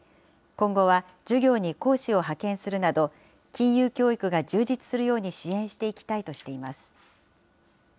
今後は授業に講師を派遣するなど、金融教育が充実するように支援していきたいとしています。